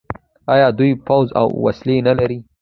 آیا دوی پوځ او وسلې نلري؟